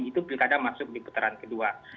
itu pilkada masuk di putaran kedua